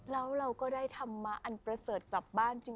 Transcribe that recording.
แล้วเราก็ได้ธรรมะอันประเสริฐกลับบ้านจริง